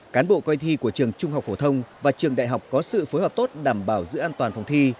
cán bộ coi thi của trường trung học phổ thông và trường đại học có sự phối hợp tốt đảm bảo giữ an toàn phòng thi